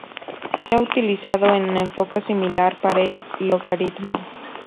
Se ha utilizado un enfoque similar para el logaritmo.